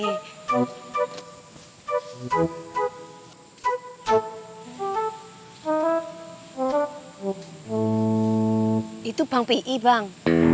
itu bang p i bang